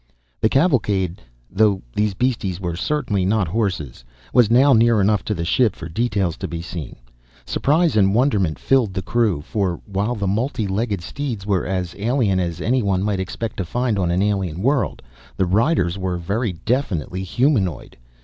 The cavalcade though these beasties were certainly not horses was now near enough to the ship for details to be seen. Surprise and wonderment filled the crew, for while the multi legged steeds were as alien as anyone might expect to find on an alien world, the riders were very definitely humanoid.